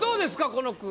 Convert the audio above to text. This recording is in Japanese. この句。